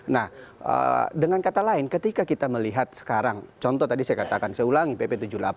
nah dengan kata lain ketika kita melihat sekarang contoh tadi saya katakan saya ulangi pp tujuh puluh delapan